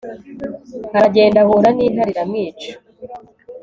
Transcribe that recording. Aragenda ahura nintare iramwica